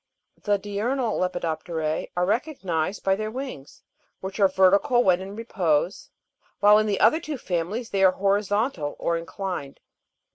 18. The DIURNAL LEFIDOF'TERJG are recognised by their wings, which are vertical when in repose (fig. 45), while in the other two families they are horizontal or inclined.